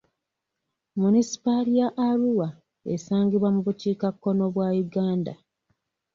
Munisipaali ya Arua esangibwa mu bukiikakkono bwa Uganda.